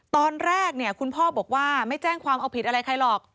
ตอนแรกเนี่ยคุณพ่อบอกว่าไม่แจ้งความเอาผิดอะไรใครหรอก